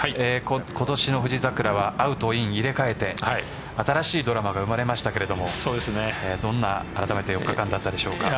今年の富士桜はアウトとインを入れ替えて新しいドラマが生まれましたがあらためてどんな４日間だったでしょうか。